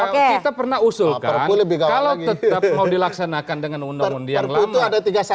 kalau kita pernah usulkan kalau tetap mau dilaksanakan dengan undang undang yang lama